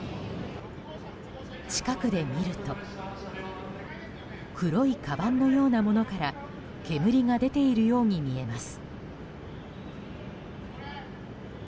近くで見ると黒いかばんのようなものから煙が出ているように見えます。